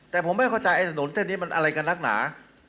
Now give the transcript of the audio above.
แต่ผมไม่เข้าใจไอ้ถนนเส้นนี้มันอะไรกันนักหนา